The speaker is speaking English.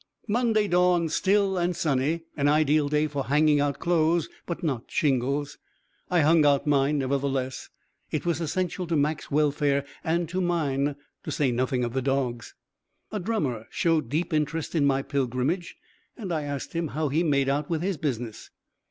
Monday dawned still and sunny an ideal day for hanging out clothes, but not shingles. I hung out mine, nevertheless; it was essential to Mac's welfare and to mine, to say nothing of the dog's. A drummer showed deep interest in my pilgrimage, and I asked him how he made out with his business.